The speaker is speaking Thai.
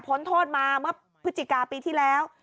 พ้นโทษมาเมื่อพฤศจิกาปีที่แล้ว